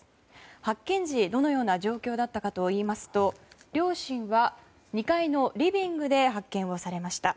発見時、どのような状況だったかといいますと両親は２階のリビングで発見されました。